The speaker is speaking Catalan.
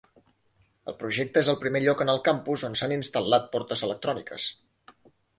El projecte és el primer lloc en el campus on s'han instal·lat portes electròniques.